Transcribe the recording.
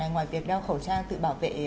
ngoài việc đeo khẩu trang tự bảo vệ